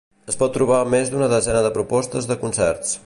es pot trobar més d'una desena de propostes de concerts